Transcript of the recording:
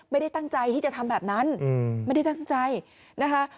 ไม่ได้ตั้งใจที่จะทำแบบนั้นไม่ได้ตั้งใจนะคะ